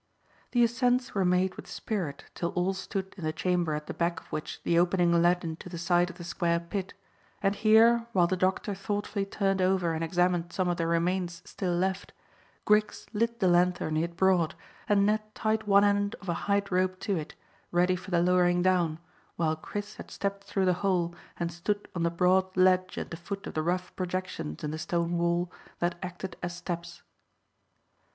The ascents were made with spirit till all stood in the chamber at the back of which the opening led into the side of the square pit, and here, while the doctor thoughtfully turned over and examined some of the remains still left, Griggs lit the lanthorn he had brought, and Ned tied one end of a hide rope to it, ready for the lowering down, while Chris had stepped through the hole and stood on the broad ledge at the foot of the rough projections in the stone wall that acted as steps.